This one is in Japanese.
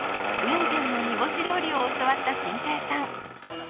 雲仙の煮干し料理を教わった心平さん。